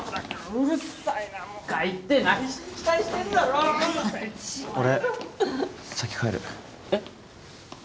うるさいなもうとか言って内心期待してんだろ俺先帰るえっ？